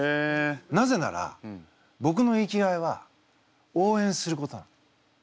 なぜならぼくの生きがいは応援することなの。